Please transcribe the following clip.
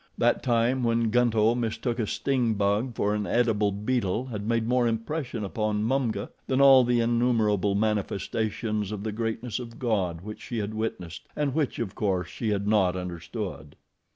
That time when Gunto mistook a sting bug for an edible beetle had made more impression upon Mumga than all the innumerable manifestations of the greatness of God which she had witnessed, and which, of course, she had not understood.